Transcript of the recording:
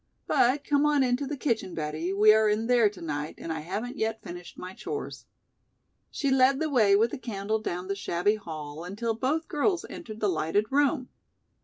But come on into the kitchen, Betty, we are in there to night and I haven't yet finished my chores." She led the way with the candle down the shabby hall until both girls entered the lighted room.